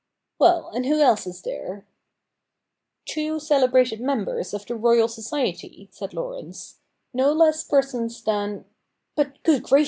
Well — and who else is there ?'' Two celebrated members of the Royal Society,' said Laurence ;' no less persons than But, good CH.